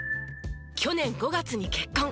去年５月に結婚。